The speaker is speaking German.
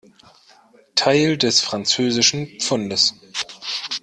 Teil des französischen Pfundes.